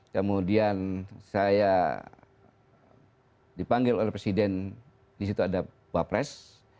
kemudian saya dipanggil oleh presiden disitu ada bapak pres